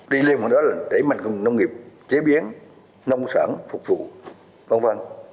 đi lên phần đó là đẩy mạnh công nghiệp chế biến nông sản phục vụ v v